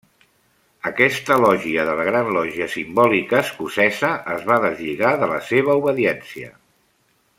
Aquesta lògia de la Gran Lògia Simbòlica Escocesa es va deslligar de la seva obediència.